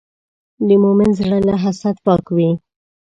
د مؤمن زړه له حسد پاک وي.